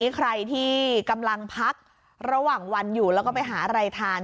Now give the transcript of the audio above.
ใครที่กำลังพักระหว่างวันอยู่แล้วก็ไปหาอะไรทาน